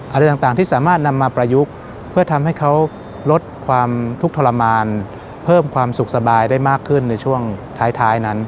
อะไรต่างที่สามารถนำมาประยุกต์เพื่อทำให้เขาลดความทุกข์ทรมานเพิ่มความสุขสบายได้มากขึ้นในช่วงท้ายนั้น